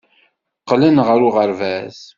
Qqlen ɣer uɣerbaz.